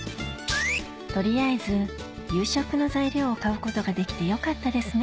取りあえず夕食の材料を買うことができてよかったですね